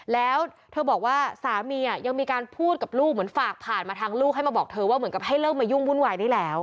แล้วเธอบอกว่าสามียังมีการพูดกับลูกเหมือนฝากผ่านมาทางลูกให้มาบอกเธอว่าเหมือนกับให้เลิกมายุ่งวุ่นวายได้แล้ว